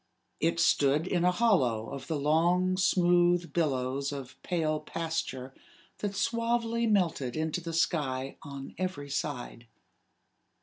It stood in a hollow of the long smooth billows of pale pasture that suavely melted into the sky on every side.